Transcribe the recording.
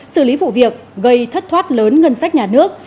xử lý vụ việc gây thất thoát lớn ngân sách nhà nước